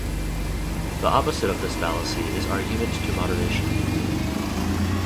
The opposite of this fallacy is argument to moderation.